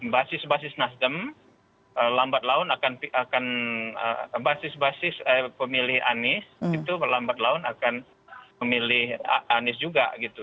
basis basis nasdem lambat laun akan basis basis pemilih anies itu lambat laun akan memilih anies juga gitu